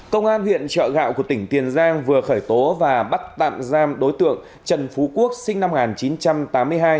công an huyện trợ gạo của tỉnh tiền giang vừa khởi tố và bắt tạm giam đối tượng trần phú quốc sinh năm một nghìn chín trăm tám mươi hai